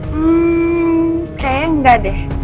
hmm kayaknya enggak deh